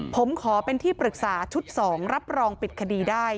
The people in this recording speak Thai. ผมขอเป็นที่ปรึกษาชุด๒รับรองปิดคดีได้